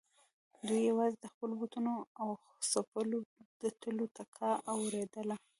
دوی يواځې د خپلو بوټونو او څپلکو د تلو ټکا اورېدله.